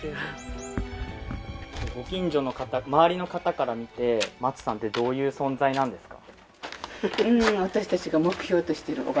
ご近所の方周りの方から見てマツさんってどういう存在なんですか？